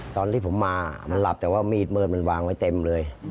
ตอนที่ผมมามันหลับแต่ว่ามีดมืดมันวางไว้เต็มเลย